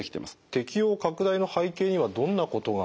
適応拡大の背景にはどんなことがありますか？